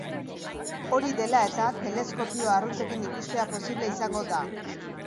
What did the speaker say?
Hori dela eta, teleskopio arruntekin ikustea posible izango da.